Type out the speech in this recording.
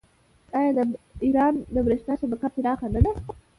آیا د ایران بریښنا شبکه پراخه نه ده؟